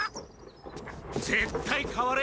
ぜったい代われよ！